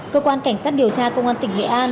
cơ quan cảnh sát điều tra công an tỉnh nghệ an